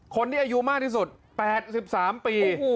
คนที่อายุมากที่สุด๘๓ปี